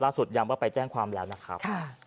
ล่าสุดยังไปแจ้งความแล้วนะครับ